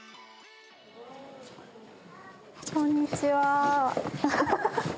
こんにちは。